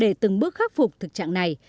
để từng bước khắc phục thực trạng này